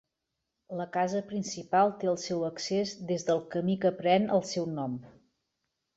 La casa principal té el seu accés des del camí que pren el seu nom.